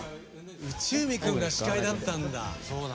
内海くんが司会だったんだ。